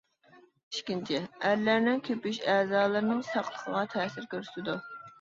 ئىككىنچى، ئەرلەرنىڭ كۆپىيىش ئەزالىرىنىڭ ساقلىقىغا تەسىر كۆرسىتىدۇ.